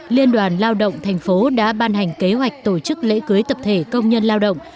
liên đoàn lao động thành phố đã ban hành kế hoạch tổ chức lễ cưới tập thể công nhân lao động